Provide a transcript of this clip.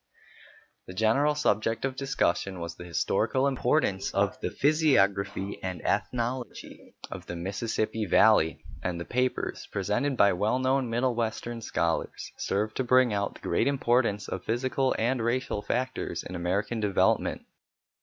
The general subject of discussion was the historical importance of the physiography and ethnology of the Mississippi Valley, and the papers, presented by well known middle western scholars, served to bring out the great importance of physical and racial factors in American development.